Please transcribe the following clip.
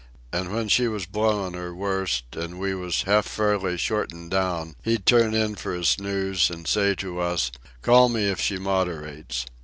An' when she was blown' her worst an' we was half fairly shortened down, he'd turn in for a snooze, an' say to us, 'Call me if she moderates.